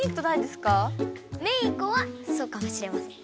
メイ子はそうかもしれません。